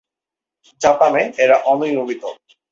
জাপানে এরা অনিয়মিত।